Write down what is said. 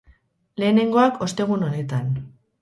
Lehenengoak, ostegun honetan.